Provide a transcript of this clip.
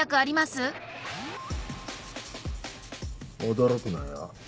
驚くなよ。